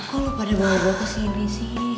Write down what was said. kok lo pada bawa gue kesini sih